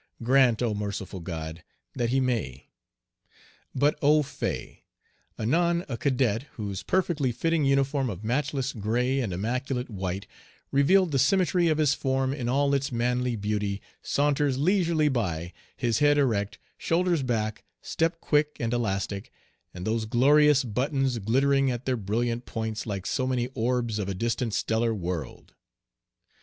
Grant, O merciful God, that he may! But au fait! Anon a cadet, whose perfectly fitting uniform of matchless gray and immaculate white revealed the symmetry of his form in all its manly beauty, saunters leisurely by, his head erect, shoulders back, step quick and elastic, and those glorious buttons glittering at their brilliant points like so many orbs of a distant stellar world.